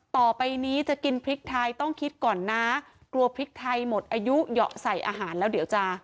ต่อไปนี้จะกินพริกไทยต้องคิดก่อนนะกลัวพริกไทยหมดอายุเหยาะใส่อาหารแล้วเดี๋ยวจะ